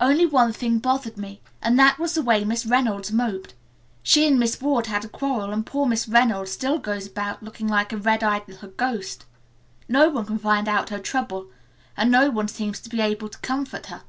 "Only one thing bothered me, and that was the way Miss Reynolds moped. She and Miss Ward had a quarrel and poor Miss Reynolds still goes about looking like a red eyed little ghost. No one can find out her trouble and no one seems to be able to comfort her.